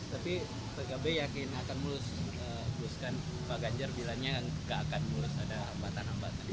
tapi pkb yakin akan muluskan pak ganjar bilangnya tidak akan mulus ada hambatan hambatan